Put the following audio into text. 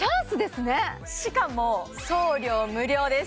しかも送料無料です